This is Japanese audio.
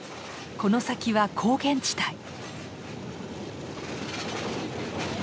この先は高原地帯。